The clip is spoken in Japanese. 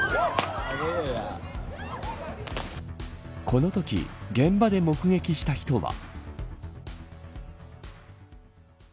このとき現場で目撃した人は。